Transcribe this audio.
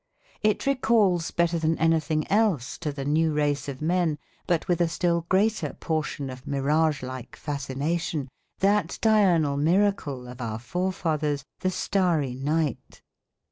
It recalls better than anything else to the new race of men, but with a still greater portion of mirage like fascination, that diurnal miracle of our forefathers the starry night.